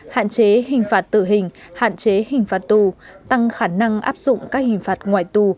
hạn chế hình phạt tử hình hạn chế hình phạt tù tăng khả năng áp dụng các hình phạt ngoài tù